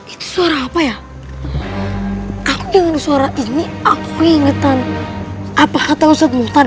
itu suara apa ya aku dengan suara ini aku keingetan apa kata ustadz multan